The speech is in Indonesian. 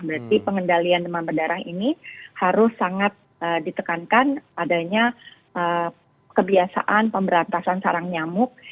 berarti pengendalian demam berdarah ini harus sangat ditekankan adanya kebiasaan pemberantasan sarang nyamuk